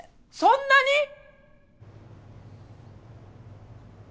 そんなに！？